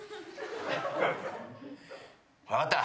分かった。